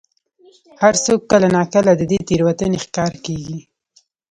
هر څوک کله نا کله د دې تېروتنې ښکار کېږي.